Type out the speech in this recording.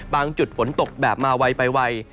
จุดฝนตกแบบมาไวไปไว